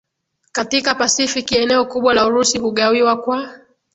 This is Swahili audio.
katika Pasifiki Eneo kubwa la Urusi hugawiwa kwa